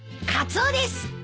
カツオです。